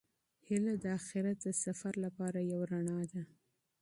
هیله د اخیرت د سفر لپاره یو رڼا ده.